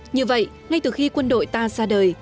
như vậy ngay từ khi quân đội ta ra đời